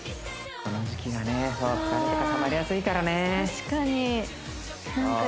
この時期はね疲れとかたまりやすいからね